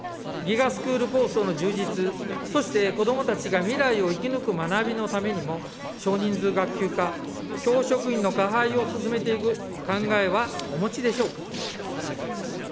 スクール構想の充実、そして子どもたちが未来を生き抜く学びのためにも、少人数学級化、教職員の加配を進めていく考えはお持ちでしょうか。